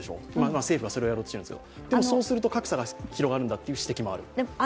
政府はそれをやろうとしているんですけど、そうすると格差が広がるという指摘もある。